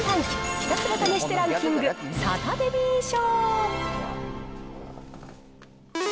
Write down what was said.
ひたすら試してランキング、サタデミー賞。